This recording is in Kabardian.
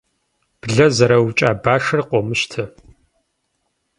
Блэ зэраукӏа башыр къыумыщтэ.